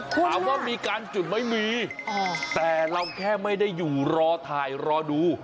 ถามว่ามีการจุดไหมมีแต่เราแค่ไม่ได้อยู่รอถ่ายรอดู